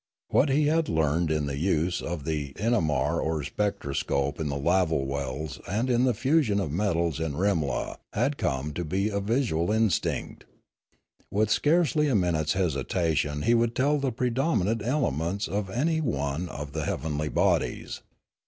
What he had learned in the My Education Continued 251 use of the inamar or spectroscope in the lava wells and in the fusion of metals in Rimla had come to be a visual instinct. With scarcely a minute's hesitation he would tell the predominant elements in any one of the heavenly bodies.